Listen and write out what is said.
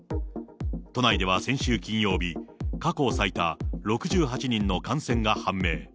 都内では先週金曜日、過去最多６８人の感染が判明。